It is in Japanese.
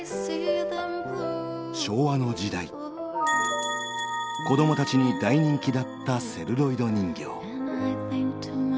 昭和の時代子どもたちに大人気だったセルロイド人形。